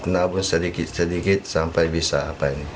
nabung sedikit sedikit sampai bisa apa ini